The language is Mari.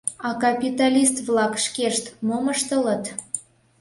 А капиталист-влак шкешт мом ыштылыт?